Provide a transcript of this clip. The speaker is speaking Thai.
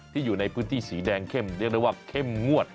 อยู่ในพื้นที่สีแดงเข้มเรียกได้ว่าเข้มงวด